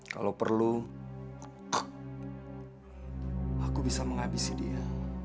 kalau perlu aku bisa menghabisi dia